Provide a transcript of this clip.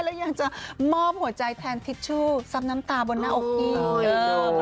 แล้วยังจะมอบหัวใจแทนทิชชู่ซับน้ำตาบนหน้าอกอีก